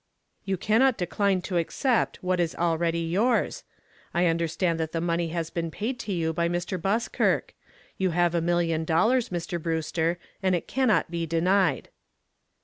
"You cannot decline to accept what is already yours. I understand that the money has been paid to you by Mr. Buskirk. You have a million dollars, Mr. Brewster, and it cannot be denied."